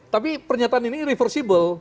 tapi pernyataan ini irreversible